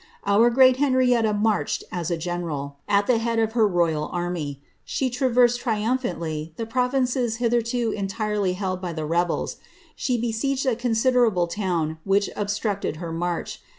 "Our great Henrietta marched, as a general, at the head of her royal army. She tbo9 traversed triumphantly the provinces hitherto entirely held by the rebels. She besieged a oonsiderable town which obstructed her march.